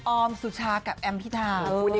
อมสุชากับแอมพิธา